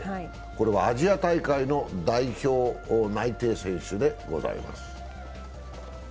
これはアジア大会の代表内定選手でございます。